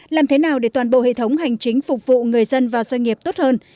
làm thế nào để toàn bộ hệ thống hành chính phục vụ người dân và doanh nghiệp tốt hơn